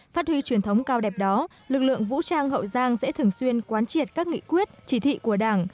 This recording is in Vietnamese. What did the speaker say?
phát huy truyền thống cao đẹp đó lực lượng vũ trang hậu giang sẽ thường xuyên quán triệt các nghị quyết chỉ thị của đảng